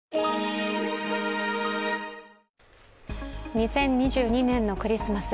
２０２２年のクリスマス。